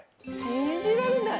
信じられない！